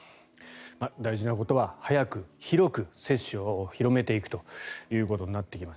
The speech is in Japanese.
大事なことは早く広く接種を広めていくということになってきます。